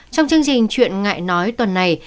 trong chương trình chuyện ngại nói tuần này